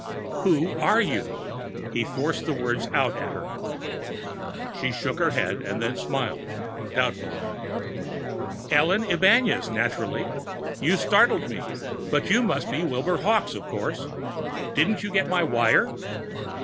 "Who are you?" He forced the words out at her. She shook her head, and then smiled doubtfully. "Ellen Ibañez, naturally. You startled me! But you must be Wilbur Hawkes, of course. Didn't you get my wire?"